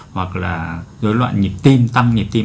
hoặc là dối loạn nhịp tim tâm nhịp tim